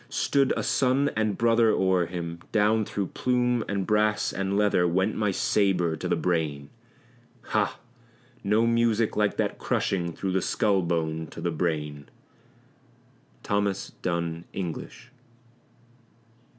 stood a son and brother o'er him; Down through plume and brass and leather went my sabre to the brain Ha! no music like that crushing through the skull bone to the brain. THOMAS DUNN ENGLISH.